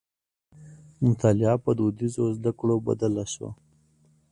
مطالعه په دودیزو زدکړو بدله شوه.